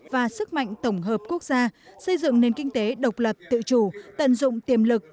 và sức mạnh tổng hợp quốc gia xây dựng nền kinh tế độc lập tự chủ tận dụng tiềm lực